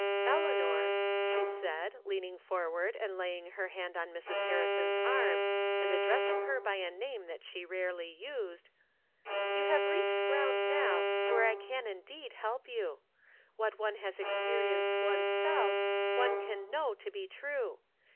" Eleanor," she said, leaning forward and lay ing her hand on Mrs. Harrison's arm, and addres sing her by a name that she rarely used, " you have reached ground now where I can indeed help you. What one has experienced one's self one can know to be true.